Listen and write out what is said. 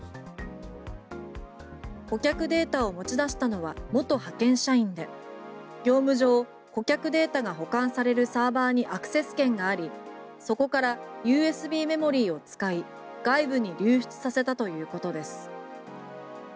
顧客データを持ち出したのは元派遣社員で業務上顧客データが保管されるサーバーにアクセス権がありそこからＵＳＢメモリーを使い外部に流出させたということです。